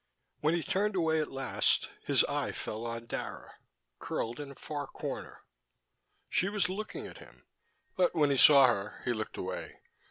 When he turned away at last his eye fell on Dara, curled in a far corner. She was looking at him but when he saw her he looked away.